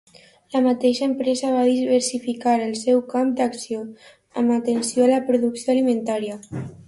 La mateixa empresa va diversificar el seu camp d'acció, amb atenció a la producció alimentària.